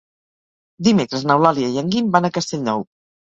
Dimecres n'Eulàlia i en Guim van a Castellnou.